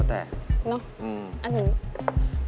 อันหนึ่ง